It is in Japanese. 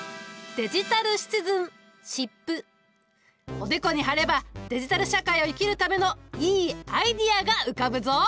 おでこに貼ればデジタル社会を生きるためのいいアイデアが浮かぶぞ。